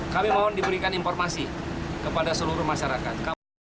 kami mohon diberikan informasi kepada seluruh masyarakat